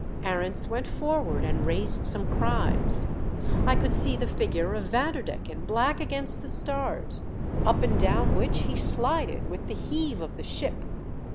Arents went forward 206 THE DEATH SHIP. and raised some cries, I could see the figure of Vanderdecken black against the stars, up and down which he slided with the heave of the ship.